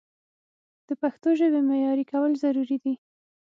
د پښتو ژبې معیاري کول ضروري دي.